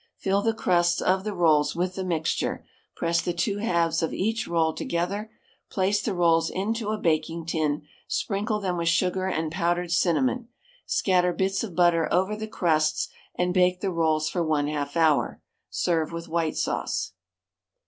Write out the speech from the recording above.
Fill the crusts of the rolls with the mixture, press the two halves of each roll together, place the rolls into a baking tin, sprinkle them with sugar and powdered cinnamon, scatter bits of butter over the crusts, and bake the rolls for 1/2 hour. Serve with white sauce.